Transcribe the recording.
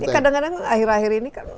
kadang kadang akhir akhir ini kan